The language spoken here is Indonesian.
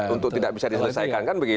untuk tidak bisa diselesaikan